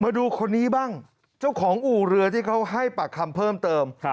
มาดูคนนี้บ้างเจ้าของอู่เรือที่เขาให้ปากคำเพิ่มเติม